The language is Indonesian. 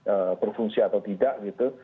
ee berfungsi atau tidak gitu